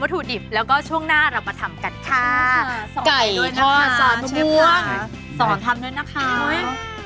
มันอร่อยแต่ว่าเราก็ต้องรู้ให้คุณผู้ชมรู้ด้วย